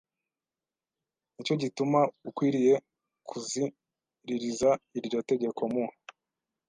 Ni cyo gituma ukwiriye kuziririza iryo tegeko mu